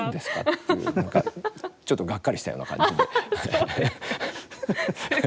っていうなんかちょっとがっかりしたような感じで。